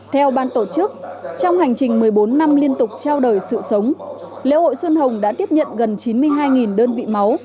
theo ban tổ chức trong hành trình một mươi bốn năm liên tục trao đổi sự sống lễ hội xuân hồng đã tiếp nhận gần chín mươi hai đơn vị máu